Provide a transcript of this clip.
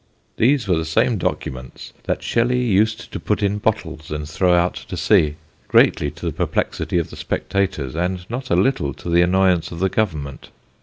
These were the same documents that Shelley used to put in bottles and throw out to sea, greatly to the perplexity of the spectators and not a little to the annoyance of the Government.